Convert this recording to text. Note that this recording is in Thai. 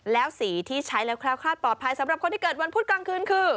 แล้วสีที่ใช้แล้วแคล้วคลาดปลอดภัยสำหรับคนที่เกิดวันพุธกลางคืนคือ